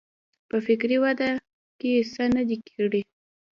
په فکري وده کې څه نه دي کړي.